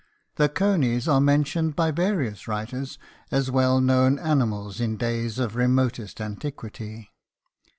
The conies are mentioned by various writers as well known animals in days of remotest antiquity.